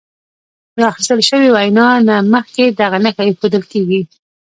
له راخیستل شوې وینا نه مخکې دغه نښه ایښودل کیږي.